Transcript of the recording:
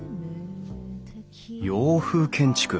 洋風建築。